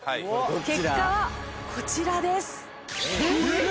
結果はこちらです。